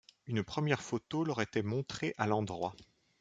Une première photo leur était montrée à l'endroit.